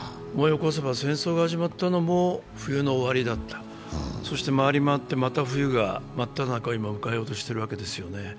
戦争が始まったのも冬の終わりだった、回り回ってまた冬が真っただ中を今、迎えようとしているわけです。